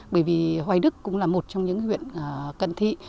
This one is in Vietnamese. bởi vì hoài đức cũng là một trong những huyện cận thị